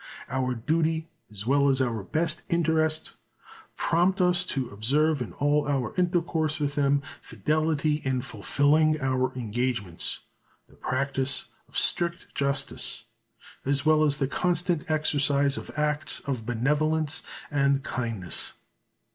Our duty as well as our best interests prompts us to observe in all our intercourse with them fidelity in fulfilling our engagements, the practice of strict justice, as well as the constant exercise of acts of benevolence and kindness.